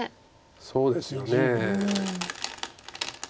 そうですよね。